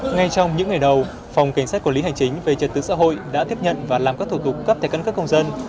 ngay trong những ngày đầu phòng cảnh sát của lý hành chính về trật tứ xã hội đã tiếp nhận và làm các thủ tục cấp thể căn cứ công dân